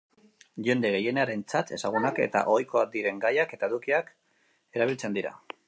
Jende gehienarentzat ezagunak eta ohikoak diren gaiak eta edukiak erabiltzen dira.